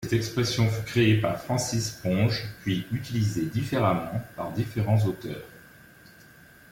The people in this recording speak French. Cette expression fut créée par Francis Ponge puis utilisée différemment par différents auteurs.